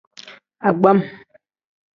Agbam.